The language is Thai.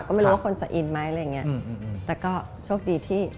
ก็ไม่รู้ว่าคนจะอินไหมอะไรอย่างเงี้ยแต่ก็โชคดีที่